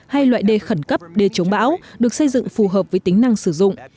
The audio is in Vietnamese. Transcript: hay loại đề khẩn cấp đê chống bão được xây dựng phù hợp với tính năng sử dụng